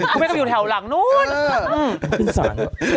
จะกำลังอยู่แถวลังนู้นขึ้นสัน